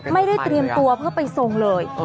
ไม่ได้เตรียมตัวเพื่อไปทรงเลย